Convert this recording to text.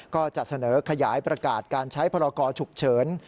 ก็จะเสนอขยายประกาศการใช้พรกรฉุกเฉิน